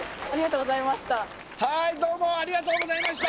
はいどうもありがとうございました